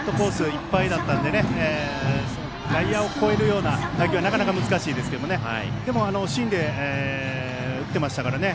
いっぱいだったので外野を越えるような打球はなかなか難しいですけどでも、芯で打ってましたからね。